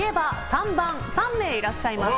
３番、３名いらっしゃいます。